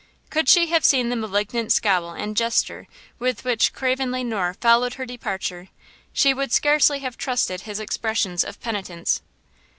Could she have seen the malignant scowl and gesture with which Craven Le Noir followed her departure, she would scarcely have trusted his expressions of penitence.